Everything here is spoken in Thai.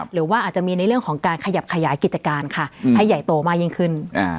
หรือว่าอาจจะมีในเรื่องของการขยับขยายกิจการค่ะให้ใหญ่โตมากยิ่งขึ้น